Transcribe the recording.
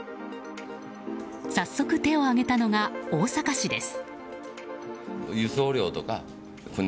早速、手を挙げたのが大阪市です。